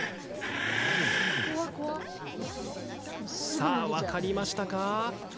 さあ、分かりましたか？